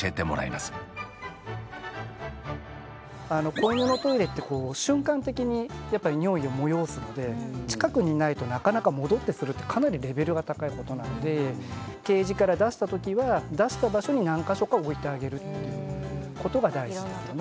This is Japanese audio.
子犬のトイレってこう瞬間的に尿意を催すので近くにないとなかなか戻ってするってかなりレベルが高いことなのでケージから出した時は出した場所に何か所か置いてあげるっていうことが大事ですよね。